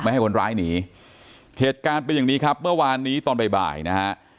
ให้คนร้ายหนีเหตุการณ์เป็นอย่างนี้ครับเมื่อวานนี้ตอนบ่ายนะฮะ